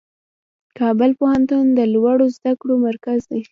کابل پوهنتون د لوړو زده کړو مرکز دی.